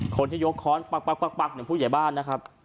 คนที่ยกค้อนปั๊กผู้ใหญ่บ้านนะครับ